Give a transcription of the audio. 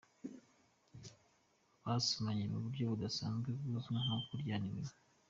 Basomanye mu buryo budasanzwe buzwi nko kuryana iminwa.